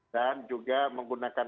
dan juga menggunakan